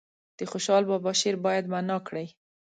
د خوشحال بابا شعر باید معنا کړي.